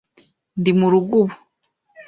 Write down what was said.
Ndi murugo ubu.